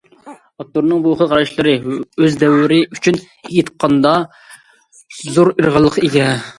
ئاپتورنىڭ بۇ خىل قاراشلىرى ئۆز دەۋرى ئۈچۈن ئېيتقاندا زور ئىلغارلىققا ئىگە.